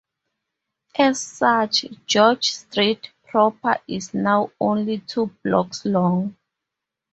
As such, George Street proper is now only two blocks long.